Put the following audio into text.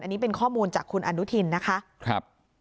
อันนี้เป็นข้อมูลจากคุณอนุทินนะคะครับ